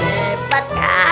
moment ini ya